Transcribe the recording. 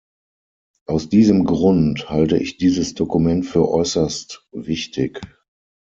Aus diesem Grund halte ich dieses Dokument für äußerst wichtig.